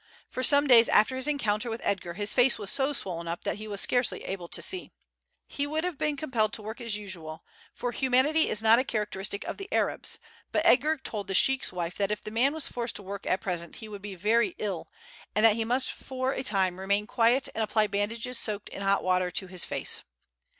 For some days after his encounter with Edgar his face was so swollen up that he was scarcely able to see. He would have been compelled to work as usual, for humanity is not a characteristic of the Arabs; but Edgar told the sheik's wife that if the man was forced to work at present he would be very ill, and that he must for a time remain quiet and apply bandages soaked in hot water to his face.